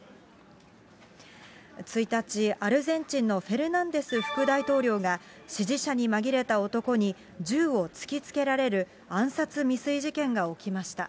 １日、アルゼンチンのフェルナンデス副大統領が、支持者に紛れた男に銃を突きつけられる暗殺未遂事件が起きました。